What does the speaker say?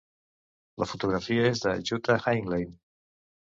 La fotografia és de Jutta Heinglein.